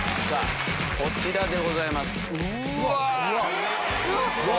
こちらでございます。